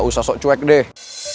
gak usah sok cuek deh